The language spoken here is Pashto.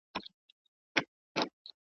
لا یې نه وه وزرونه غوړولي .